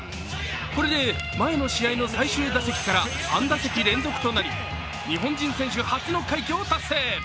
これで前の試合の最終打席から３打席連続となり日本人選手初の快挙を達成。